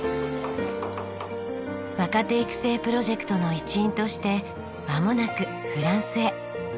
若手育成プロジェクトの一員としてまもなくフランスへ。